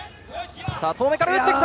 遠めから打ってきた！